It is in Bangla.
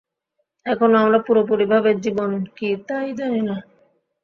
এখনো আমরা পুরোপুরি ভাবে জীবন কী তা-ই জানি না।